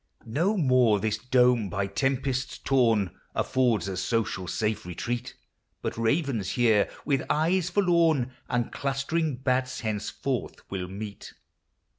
No more this dome, by tempests torn, Affords a social safe retreat ; But ravens here, with eye forlorn, And clustering bats henceforth will meet.